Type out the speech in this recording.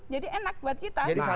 jadi enak buat kita